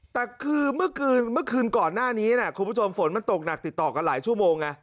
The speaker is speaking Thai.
แต่คือเมื่อคืนก่อนหน้านี้นะคุณผู้ชมฝนมันตกหนักติดต่อกันหลายชั่วโมงไง